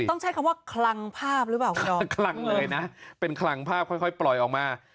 ต้องใช้คำว่าคลังภาพหรือเปล่าคุณดอมเป็นคลังเลยนะเป็นคลังภาพค่อยปล่อยออกมา